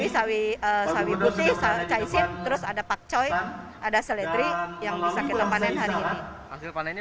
sawi putih caisin terus ada pakcoy ada seledri yang bisa kita panen hari ini